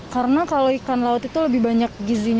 karena kalau ikan laut itu lebih banyak gizinya